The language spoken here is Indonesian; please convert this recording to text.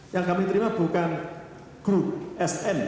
yang kami terima bukan grup sn